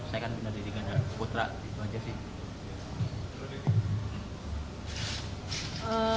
saya kan bener bener ganda putra